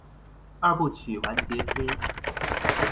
二部曲完結篇